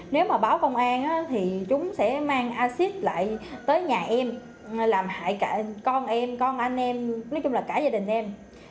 nếu mà báo công an thì chúng sẽ mang acid lại tới nhà em làm hại cả con em con anh em nói chung là cả gia đình em